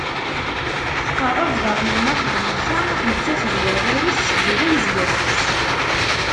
Tqerreb daɣen Nna Feḍmuca nettat d warraw-is, seǧǧden zdat-s.